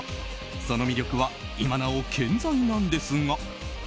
その魅力は今なお健在なんですが。